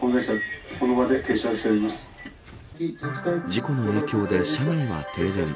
事故の影響で車内は停電。